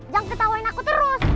jangan ketawain aku terus